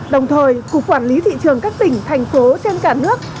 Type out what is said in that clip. đồng thời cục quản lý thị trường các tỉnh thành phố trên cả nước